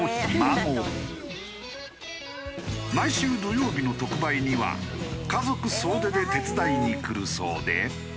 毎週土曜日の特売には家族総出で手伝いに来るそうで。